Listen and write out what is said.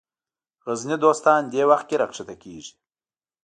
غرني دوستان دې وخت کې راکښته کېږي.